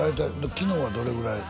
昨日はどれぐらい？